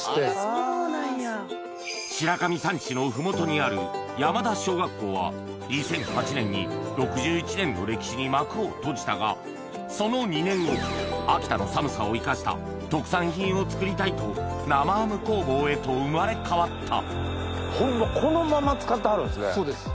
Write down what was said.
そうなんや。にある山田小学校は２００８年に６１年の歴史に幕を閉じたがその２年後秋田の寒さを生かした特産品を作りたいと生ハム工房へと生まれ変わったそうです。